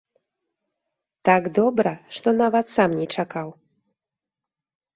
Так добра, што нават сам не чакаў.